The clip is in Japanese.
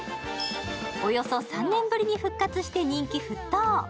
およそ３年ぶりに復活して人気沸騰。